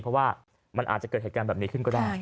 เพราะว่ามันอาจจะเกิดเหตุการณ์แบบนี้ขึ้นก็ได้